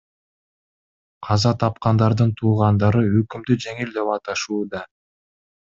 Каза тапкандардын туугандары өкүмдү жеңил деп аташууда.